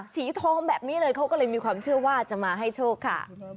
สีทองแบบนี้เลยเขาก็เลยมีความเชื่อว่าจะมาให้โชคค่ะ